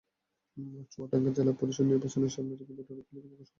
চুয়াডাঙ্গা জেলা পরিষদ নির্বাচন সামনে রেখে ভোটারের তালিকা প্রকাশ করেছে নির্বাচন কার্যালয়।